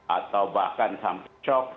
atau bahkan sampai shock